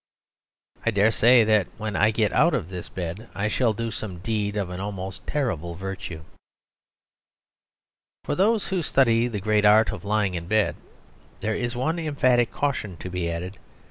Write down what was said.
I dare say that when I get out of this bed I shall do some deed of an almost terrible virtue. For those who study the great art of lying in bed there is one emphatic caution to be added.